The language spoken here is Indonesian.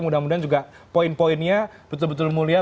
mudah mudahan juga poin poinnya betul betul mulia